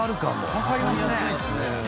わかりますね。